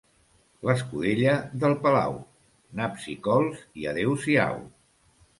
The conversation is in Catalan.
L'escudella del palau: naps i cols i adeu-siau.